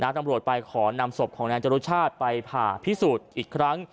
ตำรวจไปขอนำศพของนายจรุชาติไปผ่าพิสูจน์อีกครั้ง